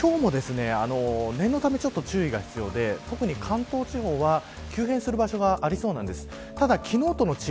ひょうが降ったんですけど今日も念のため注意が必要で特に関東地方は急変する場所がありそうです。